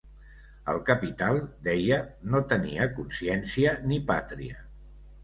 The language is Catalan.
"El capital", deia, "no tenia consciència ni pàtria".